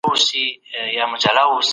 د جرګي د ځانګړو کمیټو مشران څوک دي؟